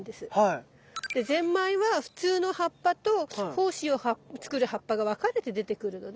でゼンマイは普通の葉っぱと胞子を作る葉っぱが分かれて出てくるのね。